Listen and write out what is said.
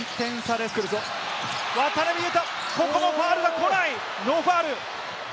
渡邊雄太、ここもファウルが来ないノーファウル。